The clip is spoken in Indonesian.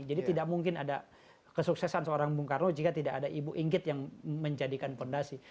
jadi tidak mungkin ada kesuksesan seorang bung karno jika tidak ada ibu inggit yang menjadikan fondasi